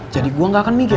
jadi gue gak akan mikir